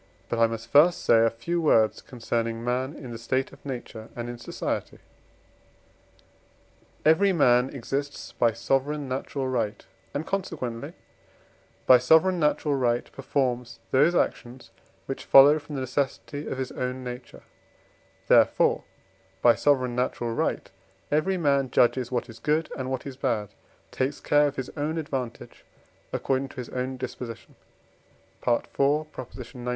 But I must first say a few words concerning man in the state of nature and in society. Every man exists by sovereign natural right, and, consequently, by sovereign natural right performs those actions which follow from the necessity of his own nature; therefore by sovereign natural right every man judges what is good and what is bad, takes care of his own advantage according to his own disposition (IV. xix.